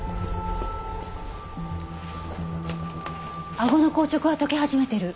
あごの硬直は解け始めてる。